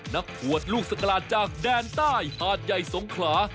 ขวดลูกสกลาดจากแดนใต้หาดใหญ่สงขลา